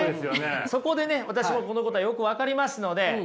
そこでね私もこのことはよく分かりますので今日ね